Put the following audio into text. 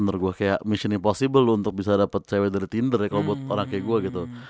menurut gue kayak mission impossible untuk bisa dapat cewek dari tinder ya kalau buat orang kayak gue gitu